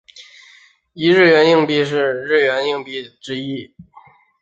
一日圆硬币是日圆硬币之一。